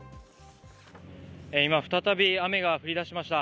今、再び雨が降り出しました。